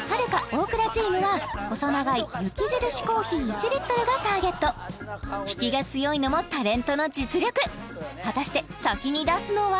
大倉チームは細長い雪印コーヒー１リットルがターゲット引きが強いのもタレントの実力果たして先に出すのは？